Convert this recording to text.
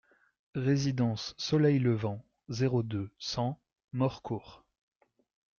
Résidence Soleil Levant, zéro deux, cent Morcourt